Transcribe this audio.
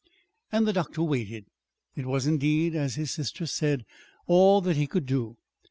And the doctor waited. It was, indeed, as his sister said, all that he could do.